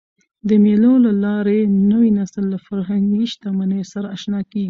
د مېلو له لاري نوی نسل له فرهنګي شتمنیو سره اشنا کېږي.